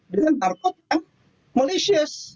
dengan barcode yang malicious